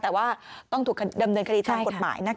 แต่ว่าต้องถูกดำเนินคดีตามกฎหมายนะคะ